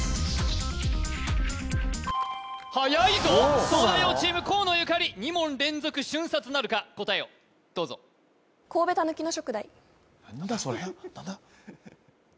はやいぞ東大王チーム河野ゆかり２問連続瞬殺なるか答えをどうぞ・何だそれ何だ？